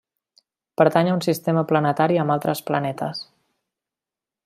Pertany a un sistema planetari amb altres planetes.